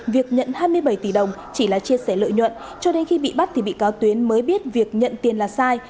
việc nhận hai mươi bảy tỷ đồng chỉ là chia sẻ lợi nhuận cho đến khi bị bắt thì bị cáo tuyến mới biết việc nhận tiền là sai